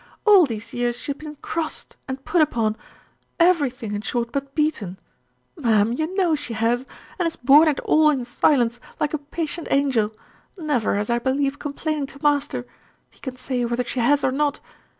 All these years she has been crossed and put upon; everything, in short, but beaten ma'am, you know she has and has borne it all in silence, like a patient angel, never, as I believe, complaining to master; he can say whether she has or not.